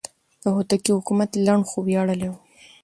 د هوتکو حکومت لنډ خو ویاړلی و.